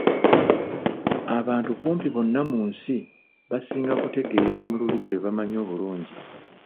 Abantu kumpi bonna mu nsi basinga kutegeerera mu lulimi lwe bamanyi obulungi.